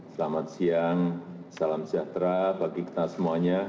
selamat siang salam sejahtera bagi kita semuanya